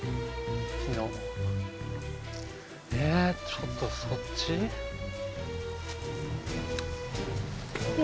ちょっとそっち？え？